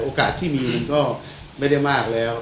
โอกาสที่มีมันก็ไม่ได้มากแล้ว